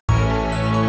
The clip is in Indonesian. kau tidak akan menempatkan